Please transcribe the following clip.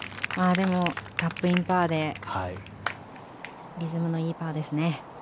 でも、タップインパーでリズムのいいパーですね。